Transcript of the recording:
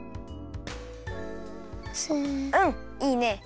うんいいね。